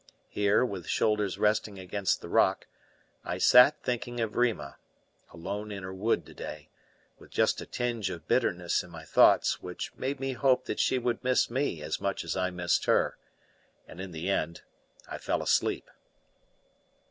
Here, with shoulders resting against the rock, I sat thinking of Rima, alone in her wood today, with just a tinge of bitterness in my thoughts which made me hope that she would miss me as much as I missed her; and in the end I fell asleep.